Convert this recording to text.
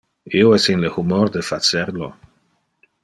Io es in le humor de facer lo.